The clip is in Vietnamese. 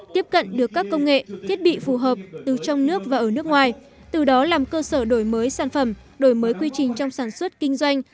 tiếp cận được các công nghệ thiết bị phù hợp từ trong nước và ở nước ngoài từ đó làm cơ sở đổi mới sản phẩm đổi mới quy trình trong sản xuất kinh doanh